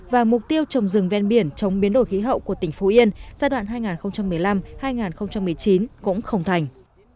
và mục tiêu trồng rừng ven biển chống biến đổi khí hậu của tỉnh phú yên giai đoạn hai nghìn một mươi năm hai nghìn một mươi chín cũng không thành